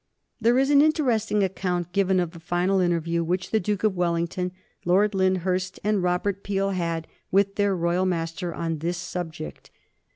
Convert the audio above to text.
There is an interesting account given of the final interview which the Duke of Wellington, Lord Lyndhurst, and Robert Peel had with their royal master on this subject.